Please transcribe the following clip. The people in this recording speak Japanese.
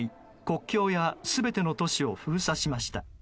国境や全ての都市を封鎖しました。